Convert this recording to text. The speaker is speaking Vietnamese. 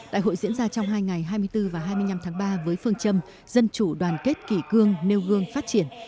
đại hội diễn ra trong hai ngày hai mươi bốn và hai mươi năm tháng ba với phương châm dân chủ đoàn kết kỷ cương nêu gương phát triển